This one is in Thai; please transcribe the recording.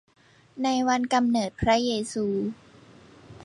ในวันกำเนิดพระเยซู